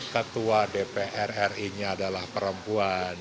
ketua dpr ri nya adalah perempuan